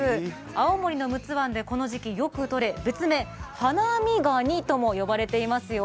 青森の陸奥湾でこの時期、よく取れ別名、ハナミガニとも呼ばれていますよ。